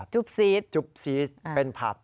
จุปศีษย์จุปศีษย์เป็นผัพ